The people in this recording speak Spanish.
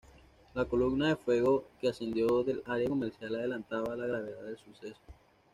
La columna de fuego que ascendió del área comercial adelantaba la gravedad del suceso.